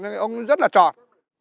cái ống rất là tròn